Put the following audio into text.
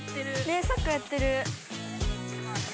ねっサッカーやってる。